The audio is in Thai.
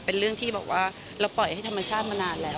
เป็นเรื่องที่บอกว่าเราปล่อยให้ธรรมชาติมานานแล้ว